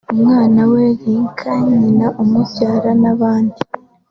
umwana we Linca nyina umubyara n’abandi